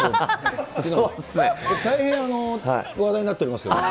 大変、話題になっております